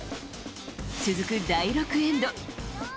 続く第６エンド。